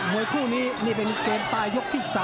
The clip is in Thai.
วยคู่นี้นี่เป็นเกมปลายยกที่๓